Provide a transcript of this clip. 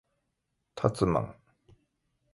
たつまん